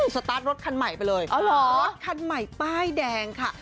สตาร์ทรถคันใหม่ไปเลยรถคันใหม่ป้ายแดงค่ะ